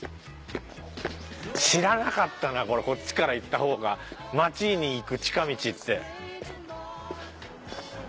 知らなかったなこれこっちから行った方が町に行く近道って。